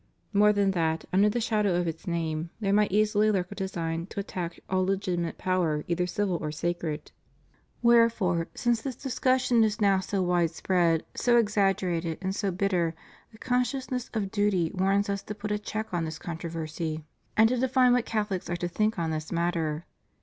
More than that, under the shadow of its name, there might easily lurk a design to attack all legitimate power either civil or sacred. Where fore, since this discussion is now so widespread, so exag gerated and so bitter, the consciousness of duty warns Us to put a check on this controversy and to define what CathoHcs are to think on this matter.